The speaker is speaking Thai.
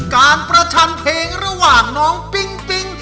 การประชันเพลงระหว่างน้องปิ๊งปิ๊ง